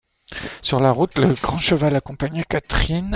Sur la route, le grand Chaval accompagnait Catherine.